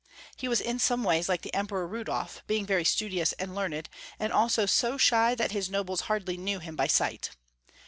He was in some ways like the Emperor Rudolf, being very studious and learned, and also so shy that his nobles hardly knew him by sight.